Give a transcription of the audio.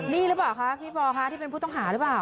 นี่หรือเปล่าคะพี่ปอคะที่เป็นผู้ต้องหาหรือเปล่า